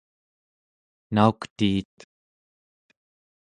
nauktiit